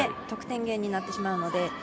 得点源になってしまうので。